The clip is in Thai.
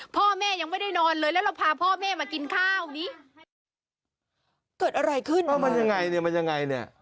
พ่อแม่ยังไม่ได้นอนเลยแล้วเราพาพ่อแม่มากินข้าวอย่างนี้